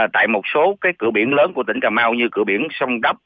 tại một số cửa biển lớn của tỉnh cà mau như cửa biển sông đốc